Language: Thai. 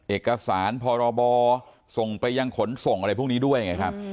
เอกสารพรบส่งไปยังขนส่งอะไรพวกนี้ด้วยไงครับ